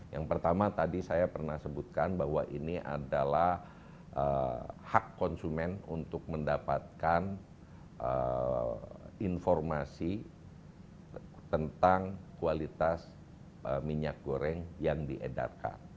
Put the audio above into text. yang pertama tadi saya pernah sebutkan bahwa ini adalah hak konsumen untuk mendapatkan informasi tentang kualitas minyak goreng yang diedarkan